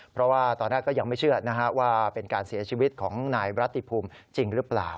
เพราะว่าตอนแรกก็ยังไม่เชื่อว่าเป็นการเสียชีวิตของนายรัติภูมิจริงหรือเปล่า